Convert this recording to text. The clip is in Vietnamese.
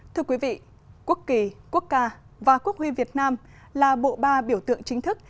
thưa quý vị quốc kỳ quốc ca và quốc huy việt nam là bộ ba biểu tượng chính thức